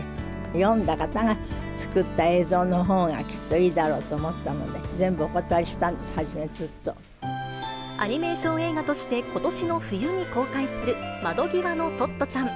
読んだ方が作った映像のほうがきっといいだろうと思ったので、全部お断りしたんです、アニメーション映画として、ことしの冬に公開する窓ぎわのトットちゃん。